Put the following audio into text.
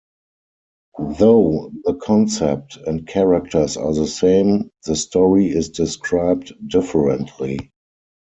Though the concept and characters are the same, the story is described differently.